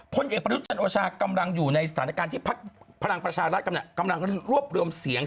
พลเอกประยุทธ์จันโอชากำลังอยู่ในสถานการณ์ที่พักพลังประชารัฐกำลังรวบรวมเสียง